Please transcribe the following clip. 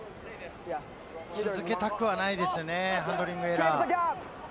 続けたくはないですね、ハンドリングエラー。